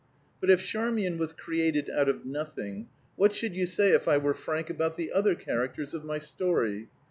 "But if Charmian was created out of nothing, what should you say if I were frank about the other characters of my story?